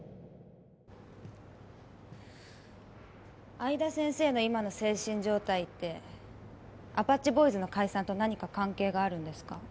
相田先生の今の精神状態ってアパッチボーイズの解散と何か関係があるんですか？